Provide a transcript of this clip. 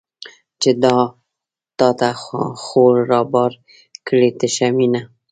چې دا تا خو رابار کړې تشه مینه